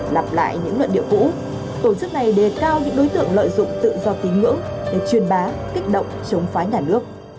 lặp lại những luận điệu cũ tổ chức này đề cao những đối tượng lợi dụng tự do tín ngưỡng để truyền bá kích động chống phá nhà nước